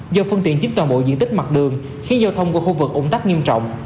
do phương tiện chiếm toàn bộ diện tích mặt đường khiến giao thông qua khu vực ủng tắc nghiêm trọng